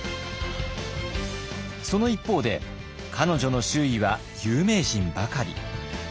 その一方で彼女の周囲は有名人ばかり。